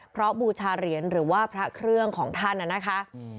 เพราะบูชาเหรียญหรือว่าพระเครื่องของท่านน่ะนะคะ